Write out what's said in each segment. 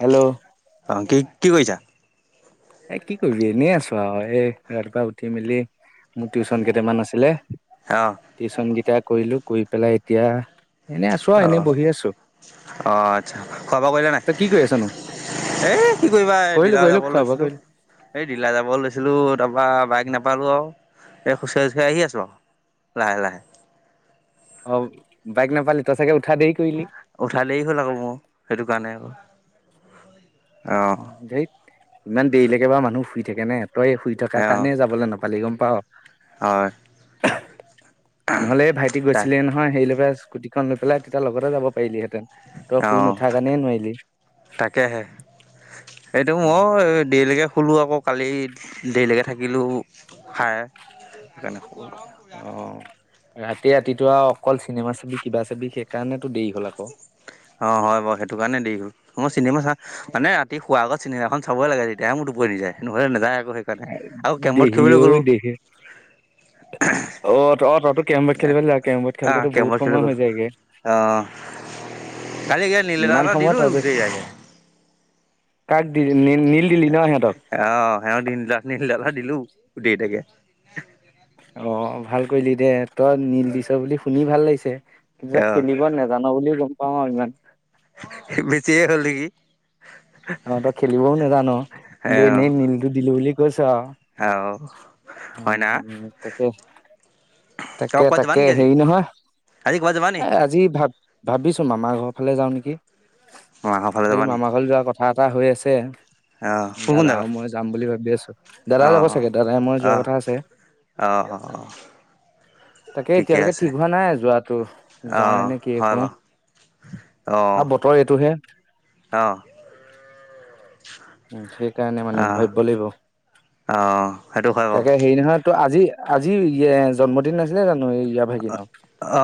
Hello. অঁ কি কি কৰিছা এ কি কৰিবি এনেই আছো আৰু এ ৰাতিপুৱা উঠি মেলি মোৰ টিউচন কেইটামান আছিলে অঁ টিউচন কেইটা কৰিলো কৰি পেলাই এতিয়া এনে আছো আৰু এনেই বহি আছো অঁ আচ্ছা খোৱা বোৱা কৰিলা তই কি কৰি আছনো নাই এ কি কৰিবা এই কৰিলো ডিলাৰ কৰিলো যাবলৈ খোৱা বোৱা লৈছিলো কৰিলো এই দিলাৰ যাব লৈছিলো তাৰপৰা বাইক নাপালো আৰু এই খোচ কাৰি আহি আছোঁ আৰু লাহে লাহে অ বাইক নাপালি তই চাগে উঠা দেৰি কৰিলি উঠা দেৰি হ'ল আকৌ মোৰ সেইটো কাৰণে আকৌ অ ইমান দেৰিলৈকে বাৰু মানুহ শুই থাকে নে তই শুই অ থকা কাৰণে যাবলৈ নাপালি নাপালি গম পাৱ হয় নহলে ভাইটি তাক গৈছিলে নহয় হেৰি লগৰ পৰা স্কুটি খন লৈ পেলাই তেতিয়া লগতে যাব পাৰিলিহেঁতেন তই অ শুই নুঠাৰ কাৰণে নোৱাৰিলি তাকেহে এইটো মই দেৰিলৈকে শুলোঁ আকৌ কালি দেৰিলৈকে থাকিলোঁ খায় ক অ ৰাতি ৰাতিটো অকল চিনেমা চাবি কিবা চাবি সেইকাৰণেতো দেৰি হল আকৌ অ হয় বাৰু সেইটো কাৰণে দে হল মই চিনেমা চা মানে ৰাতি শুৱা আগত চিনেমাখন চাবই লাগে তেতিয়াহে টোপনি যায় নহ'লে নযায় আকৌ সেইকাৰণে। আৰু কেৰমবৰ্ড দেহি খেলিবলৈ ঐ গ'লো দেহি অ অ তই কেৰম বৰ্ড খেলিব লাগা কেৰম বৰ্ড আহ খেলিলো কেৰমবৰ্ড বহুত খেলিবলৈ সময় গ'লো। হৈ যায়গে অ' কালি গেল নীলদা ইমান হাতত দিলো সময়ত তই যে গতেই আগে কাক দিলি নিল নিল আহ সিহঁত তিনিওকে দিলো গোটেইকেইটাকে অ ভাল কৰিলি দে তই নীল দিছ বুলি শুনি ভাল লাগিছে কিন্তু তই অ' খেলিব ন জানো বুলিও গম পাওঁ আৰু ইমান বেছিয়ে হ'ল নেকি অহ তই খেলিবও নাজানো কিন্তু অ' এনেই নীলটো দিলো বুলি কৈছ আৰু অ' হয় না। উম উম তাকে তই তাকে ক'ৰবাত যাবা তাকে নেকি আজি? হেৰি নহয় আজি ক'ৰবাত যাবা নি? এ আজি ভাত ভাবিছো মামাৰ ঘৰ ফালে যাওঁ নেকি মাহঁতৰ ফালে আজি যাবা নি? মামাৰ ঘৰলৈ যোৱাৰ কথা এটা হৈ আছে অ' কোন কোন দাদাও যাবা? মই যাম বুলি ভাবি আছো দাদা যাব চাগে দাদাই মই যোৱাৰ কথা আছে অঁ অঁ অঁ তাকে এতিয়ালৈকে ঠিক হোৱা নাই যোৱাটো। যাওঁ অ' নে কিয়ে হয় কও বাৰু অ'। আৰু বতৰ এইটোহে অ। উ সেইকাৰণে মানে অ', ভাবিব লাগিব। অ', সেইটো হয় বাৰু। তাকে হেৰি নহয় ত আজি আজি জন্মদিন আছিলে জানো এই ইয়াৰ ভাগিনৰ? অ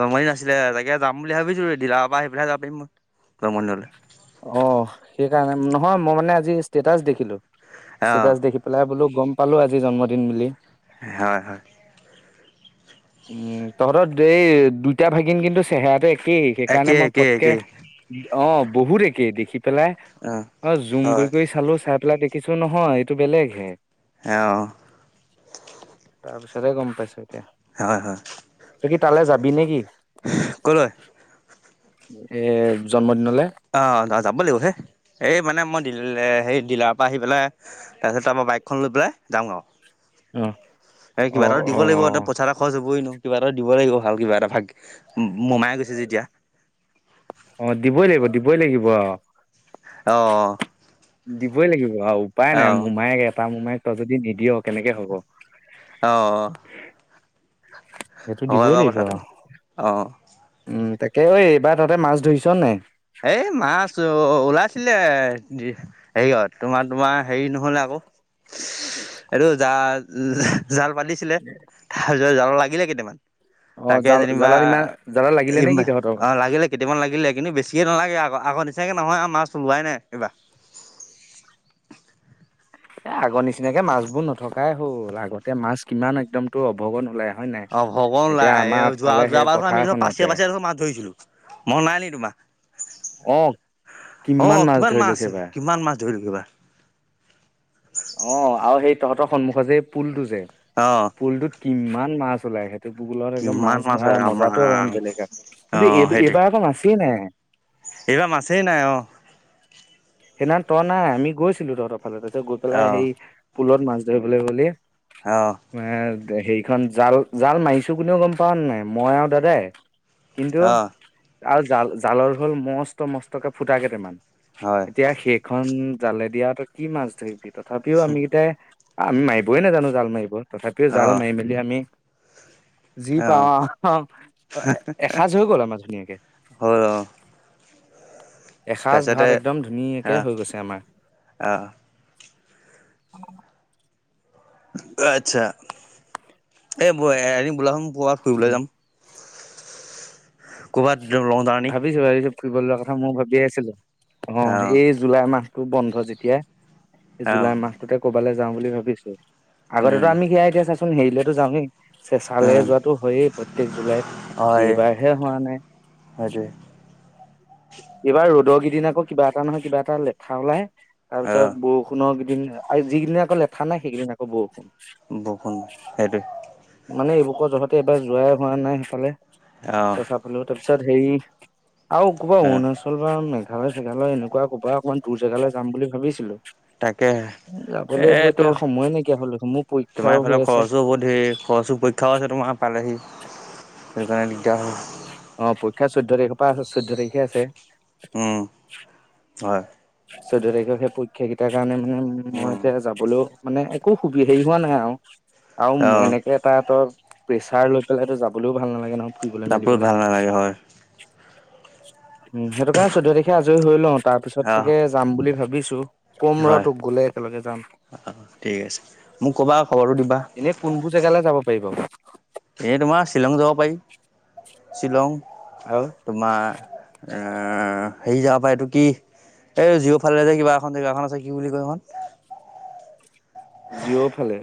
জন্মদিন আছিলে তাকে যাম বুলি ভাবিছো দিলাৰ পৰা আহিফেলাহে যাব পাৰি মই জন্মদিনলৈ। অ সেইকাৰণে নহয় মই মানে আজি ষ্টেটাচ দেখিলো। অ', ষ্টেটাচ দেখি পেলাই বোলো গম পালো আজি জন্মদিন বুলি। হয় হয়। উম তহঁতৰ এই দুইটা ভাগিন কিন্তু চেহেৰাটো একেই সেইকাৰণে একেই, মই একেই, ফটকে একেই অ বহুত একে দেখি পেলাই অ জুম হয়। কৰি কৰি চালো চাই পেলাই দেখিছো নহয় এইটো বেলেগ হে। অ। তাৰ পিছতেহে গম পাইছো এতিয়া। হয় হয়। তই কি তালৈ যাবি নেকি? ক'লৈ? এ জন্মদিনলৈ। অ যাব লাগিব হে এই মানে মই হেৰি ডিলাৰৰ পৰা আহি পেলাই তাৰপিছত তাৰপৰা বাইকখন লৈ পেলাই যাম আৰু। অ। এ অ কিব এটা দিব অ লাগিব পইচা এটা খৰ হ'বই নো কিবা এটাও দিব লাগিব ভাল কিবা এটা ভাগ মোমাই গৈছে যেতিয়া। অ দিবই লাগিব দিবই লাগিব অ। অ। দিবই লাগিব আৰু উপায় নাই অ', মোমায়েক এটা মোমায়ক তই যদি নিদিয় কেনেকে হ'ব। অ অ। সেইটো হয় দিবই বাৰু লাগিব কথাটো আৰু। অ'। উম তাকে ঐ এইবাৰ তহাতে মাছ ধৰিছ নাই? এই মাছ অ ওলাইছিলে হেৰি হয় তোমাৰ তোমাৰ হেৰি নহ'লে আকৌ এইটো জা-জাল পাতিছিলে তাৰপিছত জাল লাগিলে কেইটামান। অ তাকে জাল যেনিবা জালত ইমান জালত লাগিলে নে কি তহঁতৰ অ লাগিলে কেইটামান লাগিলে। কিন্তু বেছে নালাগে আক আগৰ নিচিনাকৈ নহয় আৰু মাছ ওলোৱাই নাই এইবাৰ। এ আগৰ নিচিনাকে মাছ বোৰ নথকাই হ'ল, আগতে মাছ কিমান একদম তটো অভগত ওলাই হয় নাই অ ভগন এতিয়া ওলাই। আমাৰ যোৱা আগফালে সেই যোৱাবাৰ আমি দেখোন পথাৰখনতে পাচিয়া পাচিয়া ত মাছ ধৰিছিলো মই নাই ন তোমাৰ? অ অ কিমান মাছ আছে, কিমান মাছ ধৰিলো থাকিবা। অ আৰু সেই তহঁতৰ সন্মুখ যে পুলটো যে অ। পুলটোত কিমান মাছ ওলাইহে। পুলত একদম কিমান মাছ ধৰা আমাৰ মজাটোৱে অকণমান বেলেগে আকৌ। অ কিন্তু সেইটোৱে এই-এইবাৰ আকৌ মাছেই নাই। এইবাৰ মাছেই নাই অ। সেইদিনা তই নাই, আমি গৈছিলো তহঁতৰ ফালে তাতে গৈ পেলাই অ সেই পুলত মাছ ধৰিবলৈ বুলি অ। এ হেৰিখন জাল জাল মাৰিছো কোনেও গম পাৱ নে নাই? মই আৰু দাদাই। কিন্তু অ আৰু জাল জালৰ হ'ল মস্ত মস্তকে ফুটা কেইটামান। হয়। এতিয়া সেইখন জালে দি অও তই কি মাছ ধৰিবি, তথাপিও আমি কেইটাই। আমি মাৰিবই নাজানো জাল মাৰিব, তথাপিও জাল অ', মাৰি মেলি আমি। যি পাওঁ অ', আও, আহ এসাঁজ হৈ গল আমাৰ ধুনীয়াকে। হয়। এসাঁজ ভাত একদম ধুনীয়াকৈ অ', হৈ গৈছে আমাৰ। অ', উম [unintelligible] আচ্ছা, এই এম বোলাখন কৰবাত ফুৰিবলৈ যাম। ক'ৰবাত লং। জাৰ্ণি ভাবিছো, ভাবিছো, ফুৰিবলে যোৱা কথা মইও ভাবিয়ে আছিলো অ', এই। জুলাই মাহটো বন্ধ যেতিয়া, অ', জুলাই মাহটোতে কবালৈ যাও বুলি ভাবিছো। উম, আগতেতো আমি সেয়াই এতিয়া চাচোন হেৰিলেতো যাওঁ এ। চেঁচালে উম, যোৱাাতটো হয়য়েই প্ৰত্যেক জুলাইত এইবাৰ হে হোৱা নাই। হয় দে। এইবাৰ ৰ'দৰ কেইদিন আকৌ কিবা এটা নহয় কিবা এটা লেঠা ওলাই, তাৰ অ', পিছত বৰষুণ। [unintelligible] যিদিদনে আকৌ লেঠা নাই সেইকেইদিন আকৌ বৰষুণ। বৰষুণ সেইটোৱে। মানে এইবুকৰ যহতে এবাৰ যোৱাই হোৱা নাই সেইফালে অ', চেচা। হলো তাৰ পিছত হেই আৰু কবা। অ', আচল মেঘালয় চেঘালয় এনেকুৱা ক'ৰবা অকমান দূৰ জেগালৈ যাম বুলি ভাবিছিলো। তাকে যাবলৈ এইবোৰ এইটো এতিয়া সময় নাইকিয়া হল দেখোন মোৰ পৰীক্ষাও হৈ আছে। হ'ব দে। খৰচো পৰীক্ষাওছে তোমাহে পালেহি সেইকাৰণে দিগদাৰ হয়। অ', পৰীক্ষা চৈধ্য তাৰিখৰ পৰা আছে চৈধ্য তাৰিখে আছে। উম, হয়। চৈধ্য তাৰিখে সেই পৰীক্ষা কেইটাৰ কাৰণে মই উম, এতিয়া যাবলৈও। মানে একো সুবি হেৰি হোৱা নাই আৰু অ', এনেক। এটা ট প্ৰেচাৰ লৈ পেলাইটো যাবলৈও ভাল নালাগে নহয়। ফুৰিবলৈ [unintelligible] মেলিবলৈ। ভাল নালাগে হয়। উম, সেইটো কাৰণে চৈধ্য তাৰিখে আজৰি হৈ লওঁ তাৰ পিছত অ', চাগে যাম বুলি ভাবিছো। কম ৰ' হয় টোক গলে একেলগে যাম। অ', ঠিক আছে। মোক ক'বা খবৰটো দিবা এনে। কোনবোৰ জেগালৈ যাব পাৰিব? এই তোমাৰ শ্বিলং যাব পাৰি, শ্বিলং। আৰু? তোমাৰ, এ হেৰি যাব পৰা এইটো কি। এই জিঅৰফালে যে কিবা এখন জেগাখন আছে কি বুলি কয় এখন? জিঅ ফালে,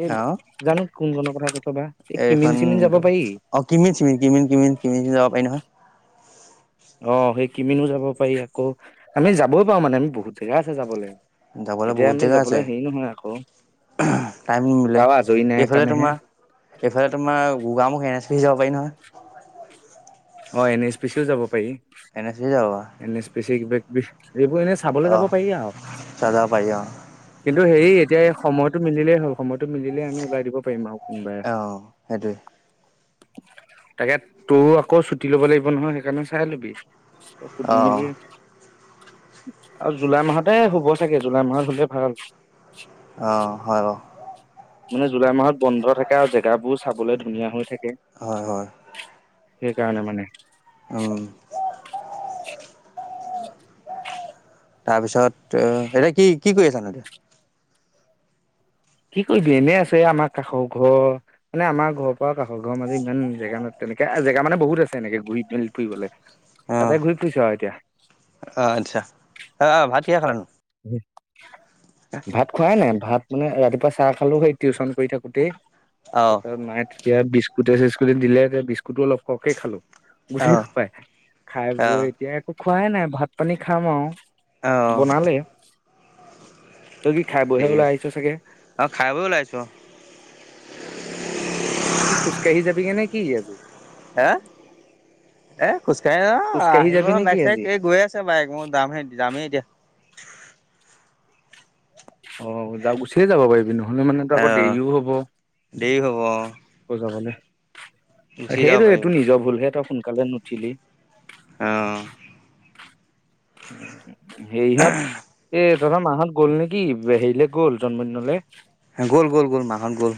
এ অ', জানো কোন খনৰ কথা কৈছ বা। এই এইখন কিমিন চিমিন যাব পাৰি। অ', কিমিন চিমিন, কিমিন কিমিন কিমিন যাব পাৰি নহয়। অ', সেই কিমিনো যাব পাৰি আকৌ আমি যাবই পাৰো মানে আমি বহুত জেগা আছে যাবলে। যাবলৈ বহুত জেগা আছে। টাইম নিমিলে কাৰো আজৰি নাই এইফালে কাৰণেহে তোমাৰ। এইফালে তোমাৰ গুগা মোখ এন এছ পি চি যাব পাৰি নহয়। অঁ', এন এছ পি চিও যাব পাৰি। [unintelligible] এনেছ পিচি এইবোৰ এনে চাবলৈ যাব অ', পাৰি আৰু। তাত যাব পাৰি অ', কিন্তু হেৰি এতিয়া এই সময়টো মিলিলে হ'ল সময়টো মিলিলে আমি ওলাই দিব পাৰিম আৰু। অ', সেইটোৱে তাকে তোৰ আকৌ চু টি ল'ব লাগিব নহয় সেইকাৰণে চাই ল'বি সুধি অ', মেলি জুলাই মাহতে শুব চাগে জুলাই মাহত হ'লে ভাল। অঁ', হয় বাৰু। মানে জুলাই মাহত বন্ধ থাকে আৰু জেগাবোৰো চাবলে ধুনীয়া হৈ থাকে। হয় হয়। সেইকাৰণে মানে। উম তাৰপিছত এতিয়া কি কি কৰি আছা নো এতিয়া। কি কৰিবি এনে আছোঁ এ আমাৰ কাষৰ ঘৰ মানে আমাৰ ঘৰ পৰা কাষৰৰ মাজে ইমান জেগা তেনেকে জেগা মানে বহুত আছে এনেকে ঘূৰি মেলি ফুৰিবলে অঁ তাতে ঘূৰি ফুৰিছো আৰু এতিয়া। অঁ আচ্ছা অ অ ভাত কিহে খালা নো উ ভাত। খুৱাই নাই ভাত মানে ৰাতিপুৱা চাহ খালো সেই টিউশচন কৰি থাকোতেই অঁ তাৰপাছত মায়ে ইয়াত বিস্কুটতে চিস্কুতে দিলে এতিয়া বিস্কুটো অলপ সহকে খালো। গোটেই অঁ খুপায় খাই বৈ অঁ এতিয়া একো খোৱাই নাই ভাত পানী খাম আৰু। অঁ বনালেই তই কি খাই বইহে ওলাই আহিছ চাগে! অ', খাই বৈ ওলাই আহিছোঁ অ তই কি খোজকাঢ়ি যাবি কে নে কি আজি? হে এ খোজকাঢ়ি খোজকাঢ়ি আহি যাবি নে কি বাইক চাইক আজি গৈ আছে বাইক মই যামহে যামেই এতিয়া। অ', যা গুচিয়ে যাব পাৰিবি নহ'লে মানেতো আকৌ অঁ দেৰিও হব। দেৰি হ'ব অঁ বুজাবলে গুচি যাব সেইটো পাৰিব এইটো নিজৰ ভুলহে তই সোনকালে নুঠিলি। অঁ'। সেইহত এ তহঁতৰ মাহত গ'ল নেকি হেৰিলে গ'ল জন্মদিনলৈ। গ'ল গ'ল গ'ল মাহত গ'ল।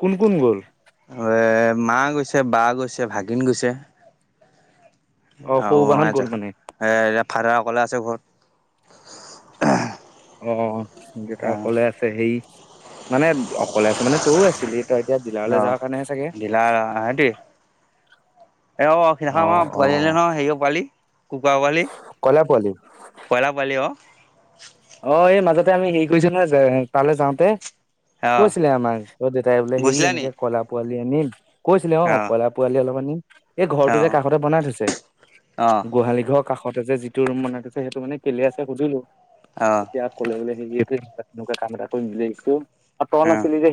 কোন কোন গ'ল। এ মা গৈছে বা গৈছে ভাগিন গৈছে। অ আৰু সৰু বাহঁত গ'ল মানে নাইযোৱা এ ফাদাৰ অকলে আছে ঘৰত। অ দেতা অঁ অকলে আছে সেই মানে অকলে আছে মানে তইও আছিলি। তই এতিয়া ডিলাৰলৈ যাওঁ কাৰণেহে চাগে। নাইৰা হেহেতি তেওঁ সিদিনা খন অ আমাৰ অ পোৱালি নিলে নহয় হেৰিও পোৱালি কুকুৰা পোৱালি। কয়লা পোৱালি কইলা পোৱালি অ'। অ এই মাজতে আমি হেৰি কৰিছো নহয় তালে যাওঁতে। আহ কৈছিলে আমাক অ দেউতাই বোলে হেৰি গৈছিলা নি এনেকে কইলা পোৱালি আনিম কৈছিলে অ আহ কইলা পোৱালি অলপমান নিম এই ঘৰটো যে আহ কাষতে বনাই থৈছে আহ গোহালি ঘৰ কাষতে যে যিটো ৰুম বনাই থৈছে সেইটো মানে কেলে আছে সুধিলো। আহ এতিয়া ক'লে বোলে হেৰি তেনেকোৱা কাম এটা কৰিম বুলি ভাবিছোঁ আৰু তই আহ নাছিলি যে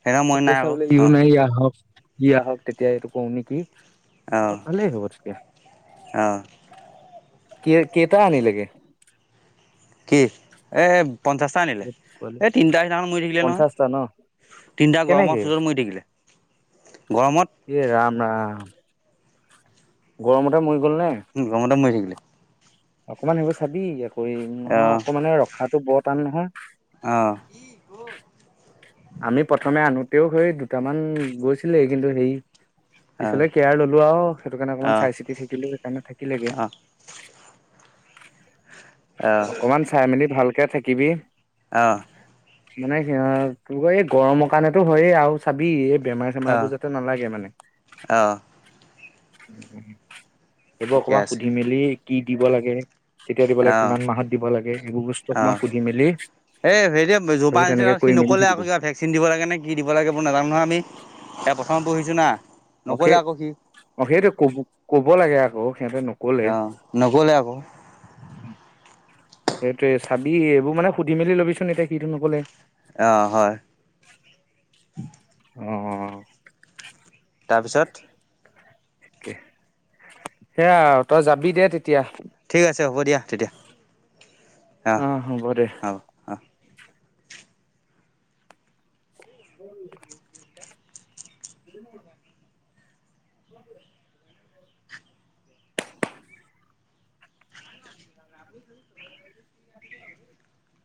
সেইদিনা মই নাই কৈছে আকৌ বোলে সিও অ নাহিলে আহক সি আহক তেতিয়া এইটো কওঁ নেকি আহ ভালেই হ'ব তেতিয়া। আহ কে কেইটা আনিলেগে? কি, এ, পঞ্চাছটা আনিলে। পোৱালি এ, তিনিটা সেইদিনা মৰি থাকিলে নহয়। পঞ্চাশটা ন তিনিটা গৰমত কেনেকে [unintelligible] মৰি থাকিলে। গৰমত এ, ৰাম ৰাম। গৰমতে মৰি গ'ল নে? গমতে মৰি থাকিলে। অকমান সেইবোৰ চাবি আকৌ [unintelligible] আহ আকৌ মানে ৰখাটো বৰ টান নহয়। অ'। আমি প্ৰথমে আনোতেও সেই দুটামান গৈছিলে কিন্তু সেই পিছলে কেয়াৰ ললোঁ আৰু, সেইটো কাৰণে অকণমান আহ চাই চিতি থাকিলোঁ সেইকাৰণে থাকিলেগে। আহ আহ আহ অকমান চাই মেলি ভালকে থাকিবি। অ'। মানে সিয়া এই গৰমৰ কাৰণেতো হয়েই আৰু চাবি এই বেমাৰ চেমাৰবোৰ যাতে নালাগে মানে। অ'। এইবোৰ ঠিকে অকমান আছে সুধি মেলি কি দিব লাগে কেতিয়া দিব লাগে, আহ কিমান মাহত দিব লাগে, সেইবোৰ বস্তু আহ অকমান সুধি মেলি এ, [unintelligible] য'ৰপা সেইবোৰ আনিছে তেনেকে [unintelligible] সি কৰি মেলি নক'লে আক' থাকিবি কিবা ভেক চিন দিব লাগে নে কি দিব লাগে এইবোৰ নাজানো নহয় আমি, এয়া পথমত পঢ়িছোঁ না। অ' নক'লে সেই আকৌ সি অ' সেইটো কব-ক'ব লাগে আকৌ। সিহঁতে ন অ' নক'লে আকৌ। সেইটোৱে চাবি, এইবোৰ মানে সুধি মেলি লবিচোন, এতিয়া সিটো নক'লে। অ' হয়। অ'। তাৰপিছত? সেয়া তই যাবি দে তেতিয়া। ঠিক আছে হ'ব দিয়া তেতিয়া। অ' হ'ব দে। হ'ব অ'। [unintelligible] [unintelligible] [unintelligible] [inaudible]